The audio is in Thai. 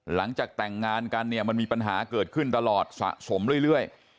หลังจากแต่งงานกันเนี่ยมันมีปัญหาเกิดขึ้นตลอดสะสมเรื่อย